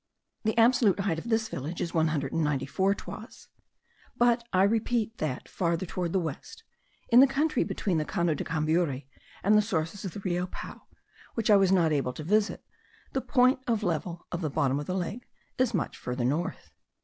The absolute height of this village is 194 toises. But, I repeat that, farther towards the west, in the country between the Cano de Cambury and the sources of the Rio Pao, which I was not able to visit, the point of level of the bottom of the lake is much further north.)